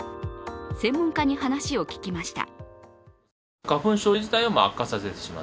専門家に話を聞きました。